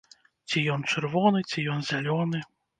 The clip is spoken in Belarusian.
Ці ён чырвоны, ці ён зялёны.